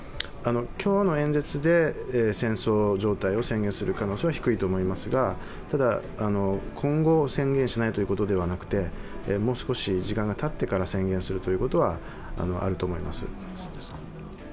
今日の演説で戦争状態を宣言する可能性は低いと思いますがただ、今後、宣言しないということではなくて、もう少し時間がたってから宣言するということはあると思います。